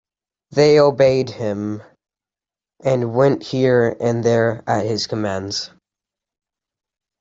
They obeyed him, and went here and there at his commands.